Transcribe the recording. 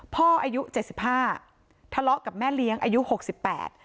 อายุเจ็ดสิบห้าทะเลาะกับแม่เลี้ยงอายุหกสิบแปด